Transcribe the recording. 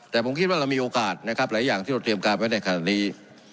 แต่ผมคิดว่าเรามีโอกาสนะครับหลายอย่างที่เราเตรียมการไว้ในขณะนี้